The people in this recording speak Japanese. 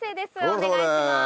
お願いします。